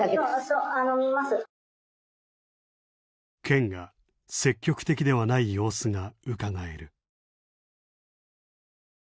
県が積極的ではない様子がうかがえる。